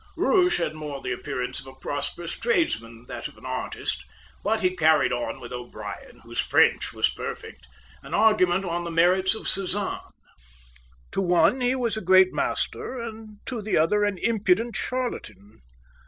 Rouge had more the appearance of a prosperous tradesman than of an artist; but he carried on with O'Brien, whose French was perfect, an argument on the merits of Cézanne. To one he was a great master and to the other an impudent charlatan.